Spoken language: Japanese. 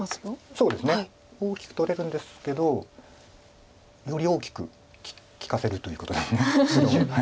そうですね大きく取れるんですけどより大きく利かせるということに白は。